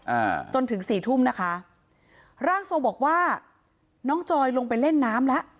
อ่าจนถึงสี่ทุ่มนะคะร่างทรงบอกว่าน้องจอยลงไปเล่นน้ำแล้ว